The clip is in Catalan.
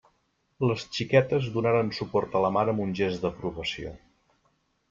Les xiquetes donaren suport a la mare amb un gest d'aprovació.